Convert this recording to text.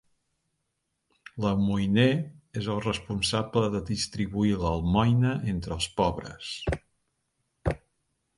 L'almoiner és el responsable de distribuir l'almoina entre els pobres.